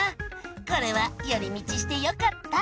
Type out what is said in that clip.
これはより道してよかった！